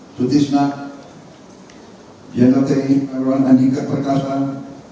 ibu tutisnak general tni penagrawan andika perkasaan